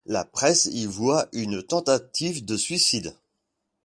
La presse y voit une tentative de suicide.